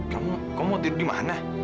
kamu mau tidur dimana